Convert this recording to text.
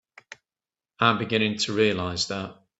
I'm beginning to realize that.